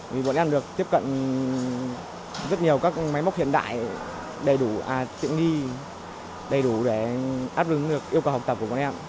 vì bọn em được tiếp cận rất nhiều các máy móc hiện đại đầy đủ tiện nghi đầy đủ để đáp ứng được yêu cầu học tập của bọn em